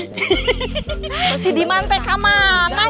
pasti diman teh kamanan ya